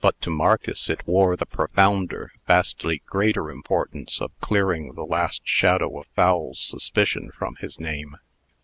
But to Marcus it wore the profounder, vastly greater importance of clearing the last shadow of foul suspicion from his name.